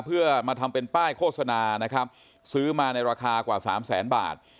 เพื่อมาทำเป็นป้ายโฆษณานะครับซื้อมาในราคากว่าสามแสนบาท